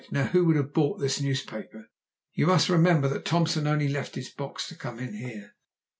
Now who would have bought this newspaper? You must remember that Thompson only left his box to come in here."